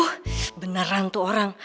aduh beneran tuh orang